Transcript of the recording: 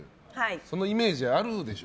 そのイメージあるでしょ？